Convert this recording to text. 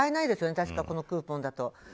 確か、このクーポンだと。